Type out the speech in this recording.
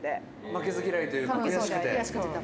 「負けず嫌いというか悔しくて？」